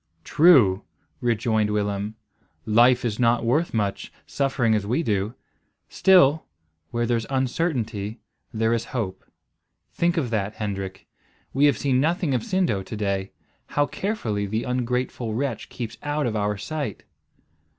"True," rejoined Willem; "life is not worth much, suffering as we do; still, where there's uncertainty, there is hope. Think of that, Hendrik. We have seen nothing of Sindo to day. How carefully the ungrateful wretch keeps out of our sight!"